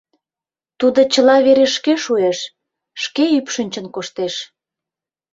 Тудо чыла вере шке шуэш, шке ӱпшынчын коштеш.